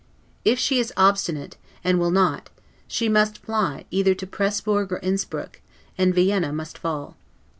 If she is obstinate, and will not, she must fly either to Presburg or to Inspruck, and Vienna must fall.